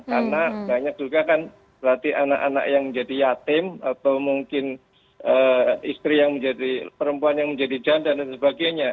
karena banyak juga kan berarti anak anak yang menjadi yatim atau mungkin istri yang menjadi perempuan yang menjadi janda dan sebagainya